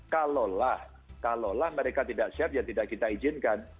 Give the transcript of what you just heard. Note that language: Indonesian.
kalolah mereka tidak siap ya tidak kita izinkan